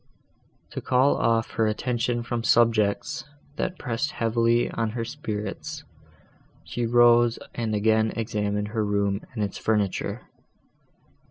To call off her attention from subjects, that pressed heavily on her spirits, she rose and again examined her room and its furniture.